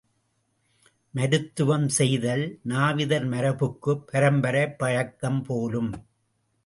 மருத்துவம் செய்தல் நாவிதர் மரபுக்குப் பரம்பரை பழக்கம் போலும்!